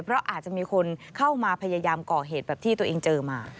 เพราะอาจจะมีคนเข้ามาพยายามก่อเหตุแบบที่ตัวเองเจอมา